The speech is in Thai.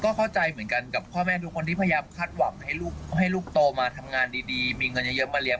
ก็เข้าใจเหมือนกันกับพ่อแม่ทุกคนที่พยายามคาดหวังให้ลูกให้ลูกโตมาทำงานดีมีเงินเยอะมาเลี้ย